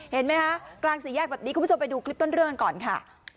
เห็นไหมคะกลางสี่แยกแบบนี้คุณผู้ชมไปดูคลิปต้นเรื่องกันก่อนค่ะ